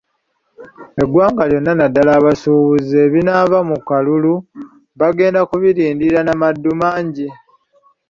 Eggwanga lyonna naddala abasuubuzi ebinaava mu kalulu bagenda kubirindirira n'amaddu mangi.